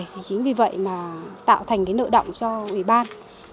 thì chính vì vậy mà tạo thành cái nợ động cho ủy ban